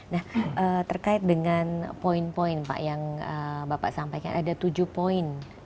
nah terkait dengan poin poin pak yang bapak sampaikan ada tujuh poin